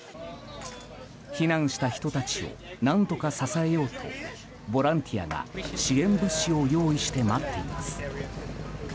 避難した人たちを何とか支えようとボランティアが支援物資を用意して待っています。